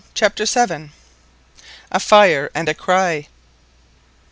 CHAPTER VII. A FIRE AND A CRY.